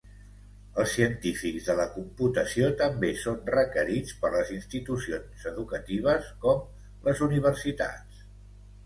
Els científics de la computació també són requerits per les institucions educatives com les universitats.